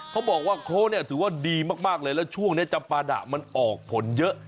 เขาบอกว่าโค้เนี่ยถือว่าดีมากเลยแล้วช่วงนี้จำปาดะมันออกผลเยอะ